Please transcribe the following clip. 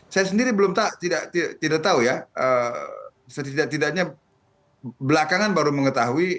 saya sendiri belum tahu tidak tahu ya setidaknya belakangan baru mengetahui